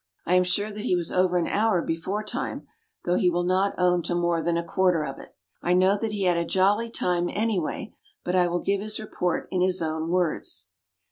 I am sure that he was over an hour before time, though he will not own to more than a quarter of it; I know that he had a jolly time, anyway. But I will give his report in his own words.